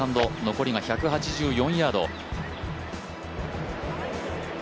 残りが１８４ヤード。